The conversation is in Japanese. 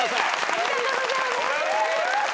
ありがとうございます。